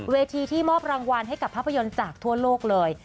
ที่มอบรางวัลให้กับภาพยนตร์จากทั่วโลกเลย